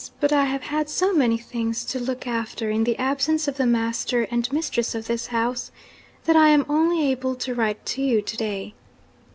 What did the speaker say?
But I have had so many things to look after in the absence of the master and mistress of this house, that I am only able to write to you to day.